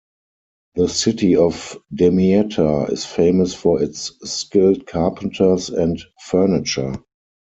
The city of Damietta is famous for its skilled carpenters and furniture.